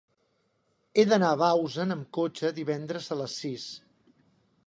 He d'anar a Bausen amb cotxe divendres a les sis.